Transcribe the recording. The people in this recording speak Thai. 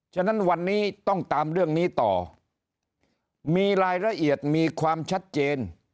ฉะนั้นวันนี้ต้องตามเรื่องนี้ต่อมีรายละเอียดมีความชัดเจน